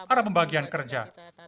ada pembagian kerja